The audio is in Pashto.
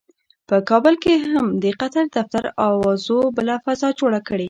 په کابل کې هم د قطر دفتر اوازو بله فضا جوړه کړې.